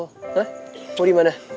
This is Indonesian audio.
hah mau dimana